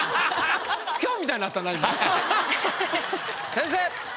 先生！